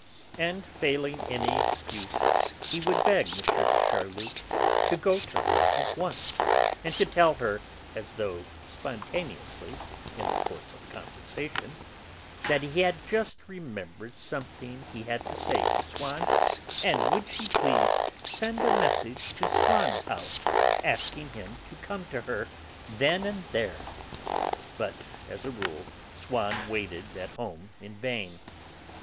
And, failing any excuse, he would beg M. de Charlus to go to her at once, and to tell her, as though spontaneously, in the course of conversation, that he had just remembered something that he had to say to Swann, and would she please send a message to Swann's house asking him to come to her then and there; but as a rule Swann waited at home in vain, and M.